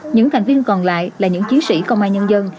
những thành viên còn lại là những chiến sĩ công an nhân dân